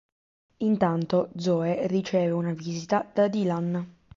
Intanto Zoe riceve una visita da Dylan.